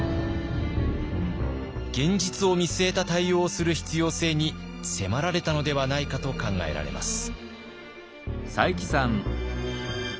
現実を見据えた対応をする必要性に迫られたのではないかと考えられます。